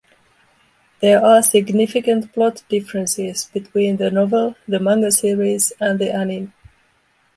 There are significant plot differences between the novel, the manga series and the anime.